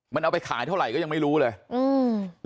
มันเอาไปขายเท่าไหร่ก็ยังไม่รู้เลยอืม